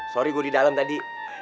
sorry gue di dalam tadi